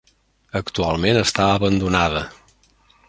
Actualment està abandonada.